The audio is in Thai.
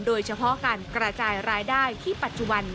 โดยเฉพาะการกระจายรายได้ที่ปัจจุบัน